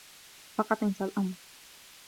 فقط انس الأمر.